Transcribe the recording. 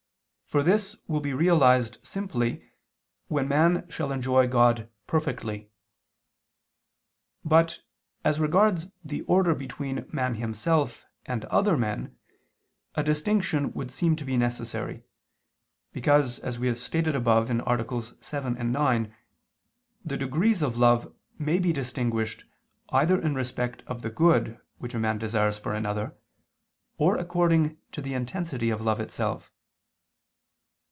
For this will be realized simply when man shall enjoy God perfectly. But, as regards the order between man himself and other men, a distinction would seem to be necessary, because, as we stated above (AA. 7, 9), the degrees of love may be distinguished either in respect of the good which a man desires for another, or according to the intensity of love itself.